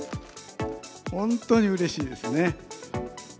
本当にうれしいですね。